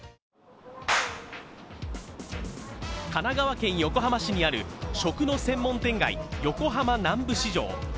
神奈川県横浜市にある食の専門店街・横浜南部市場。